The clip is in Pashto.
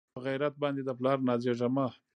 پۀ غېرت باندې د پلار نازېږه مۀ